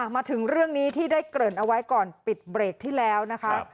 มาถึงเรื่องนี้ที่ได้เกริ่นเอาไว้ก่อนปิดเบรกที่แล้วนะคะ